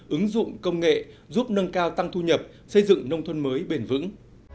ứng dụng công nghệ giúp nâng cao tăng thu nhập xây dựng nông thôn mới bền vững